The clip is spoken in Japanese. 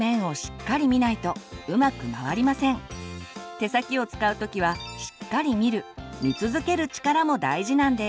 手先を使う時はしっかり見る見続ける力も大事なんです。